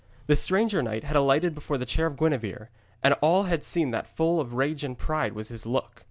The stranger knight had alighted before the chair of Gwenevere, and all had seen that full of rage and pride was his look.